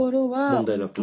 問題なく？